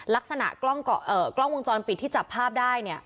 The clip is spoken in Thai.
ลักษณะกล้องก่อเอ่อกล้องวงจรปิดที่จับภาพได้เนี้ย